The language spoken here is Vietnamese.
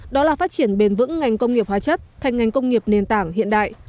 đó là phát triển bền vững ngành công nghiệp hóa chất thành ngành công nghiệp nền tảng hiện đại